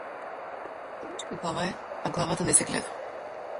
Човечка глава е, а главата не се гледа.